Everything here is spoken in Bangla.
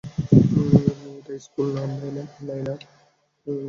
এটা স্কুল না, নায়না!